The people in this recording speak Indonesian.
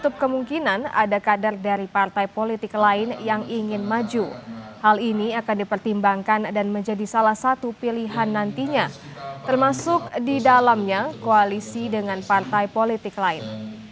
pilihan nantinya termasuk di dalamnya koalisi dengan partai politik lain